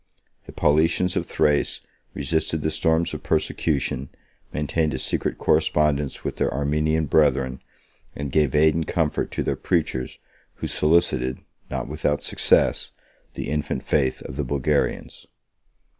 The Paulicians of Thrace resisted the storms of persecution, maintained a secret correspondence with their Armenian brethren, and gave aid and comfort to their preachers, who solicited, not without success, the infant faith of the Bulgarians.